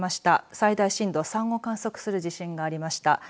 最大震度３を観測する地震がありました。